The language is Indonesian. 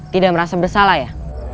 tidak merasa bersalah ya